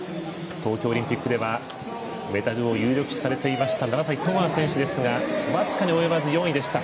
東京オリンピックではメダルを有力視されていました楢崎智亜選手ですが僅かに及ばず４位でした。